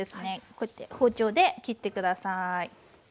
こうやって包丁で切って下さい。